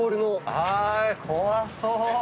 あ怖そう。